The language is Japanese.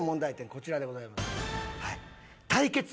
こちらでございます。